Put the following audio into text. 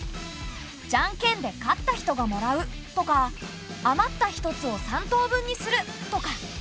じゃんけんで勝った人がもらうとか余った１つを３等分にするとか。